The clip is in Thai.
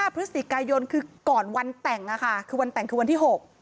๕พฤศจิกายนคือก่อนวันแต่งคือวันที่๖